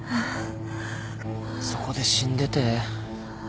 そこで死んでて。